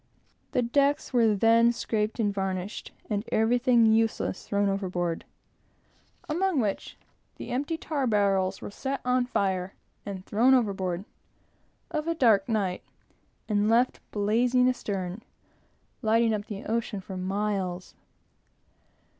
The decks were then scraped and varnished, and everything useless thrown overboard; among which the empty tar barrels were set on fire and thrown overboard, on a dark night, and left blazing astern, lighting up the ocean for miles.